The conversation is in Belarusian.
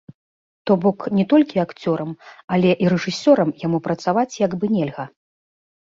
То бок, не толькі акцёрам, але і рэжысёрам яму працаваць як бы нельга.